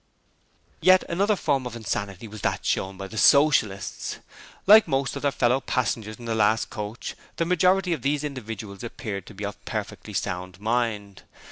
Yet another form of insanity was that shown by the Socialists. Like most of their fellow passengers in the last coach, the majority of these individuals appeared to be of perfectly sound mind.